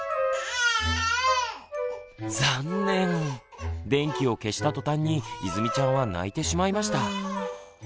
残念電気を消したとたんにいずみちゃんは泣いてしまいました。